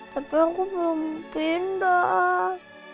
tapi aku belum pindah